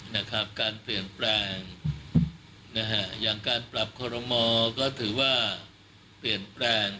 นะครับการเปลี่ยนแปลงนะฮะอย่างการปรับคอรมอก็ถือว่าเปลี่ยนแปลง